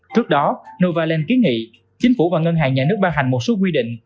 trước đó novaland kiến nghị chính phủ và ngân hàng nhà nước ban hành một số quy định